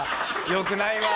よくないわ。